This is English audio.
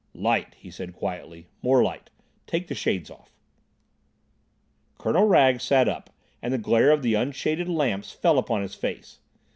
"Light," he said quietly, "more light. Take the shades off." Colonel Wragge sat up and the glare of the unshaded lamps fell upon his face.